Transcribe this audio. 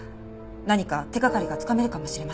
何か手掛かりがつかめるかもしれません。